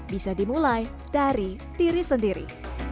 bisa dimulai dari diri sendiri